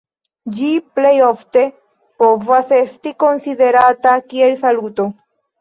Ĝi plejofte povas esti konsiderata kiel saluto.